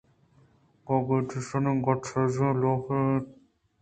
کاگدایشانی گٹءَسرجمی ءَلوپ اِنت